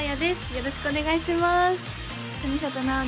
よろしくお願いします